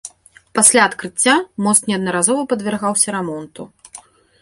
Пасля адкрыцця мост неаднаразова падвяргаўся рамонту.